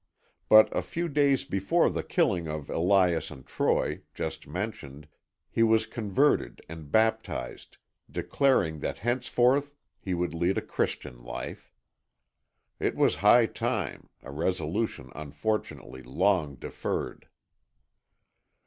But a few days before the killing of Elias and Troy, just mentioned, he was converted and baptized, declaring that henceforth he would lead a Christian life. It was high time, a resolution unfortunately long deferred.